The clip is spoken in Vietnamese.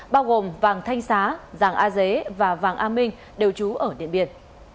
bao gồm vàng thanh xá giàng a dế và vàng a minh đều trú ở điện biên